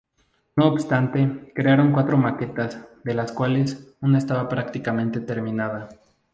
No obstante, crearon cuatro maquetas, de las cuales una estaba prácticamente terminada.